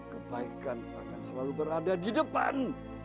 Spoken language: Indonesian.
kebaikan akan selalu berada di depan